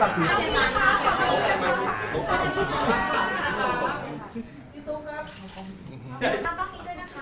ตรงนี้นะคะ